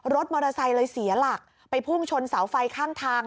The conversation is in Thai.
รถมอเตอร์ไซค์เลยเสียหลักไปพุ่งชนเสาไฟข้างทาง